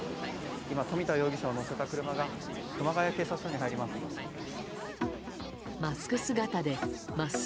今、冨田容疑者を乗せた車が熊谷警察署に入ります。